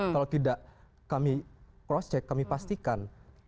kalau tidak kami cross check kami pastikan